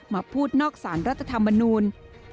มาพูดนอกสารรัฐธรรมนูล